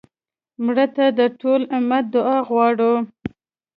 مړه ته د ټول امت دعا غواړو